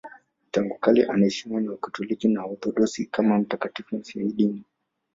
Tangu kale anaheshimiwa na Wakatoliki na Waorthodoksi kama mtakatifu mfiadini.